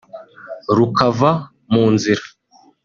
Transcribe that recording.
rukava mu nzira